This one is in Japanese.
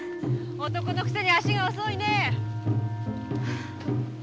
男のくせに足が遅いねえ。